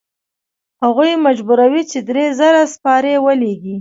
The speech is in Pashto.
هغوی مجبوروي چې درې زره سپاره ولیږي.